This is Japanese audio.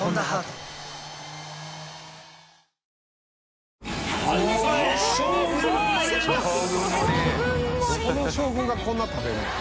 どこの将軍がこんな食べんねん。